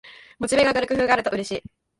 モチベが上がる工夫があるとうれしい